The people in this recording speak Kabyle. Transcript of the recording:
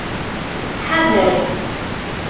Ḥader.